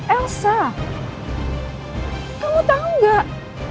elsa kamu tahu nggak